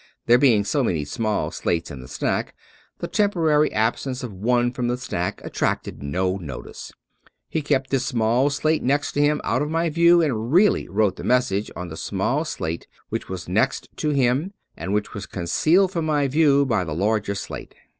There being so many small slates in the stack, the temporary absence of one from the stack attracted no notice. He kept this small slate next to him out of my view, and really wrote the message on the smaU slate which was next to him, and which was concealed from my view by the larger slate.